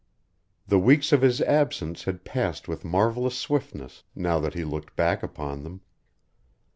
The weeks of his absence had passed with marvelous swiftness, now that he looked back upon them.